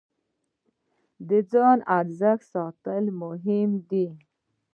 د ځان ارزښت ساتل مهم دی.